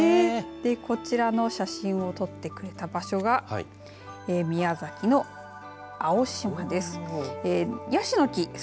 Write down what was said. こちらの写真を撮ってくれた場所が宮崎の青島です。